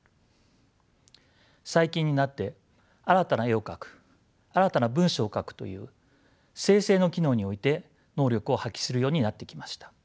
最近になって新たな絵を描く新たな文章を書くという生成の機能において能力を発揮するようになってきました。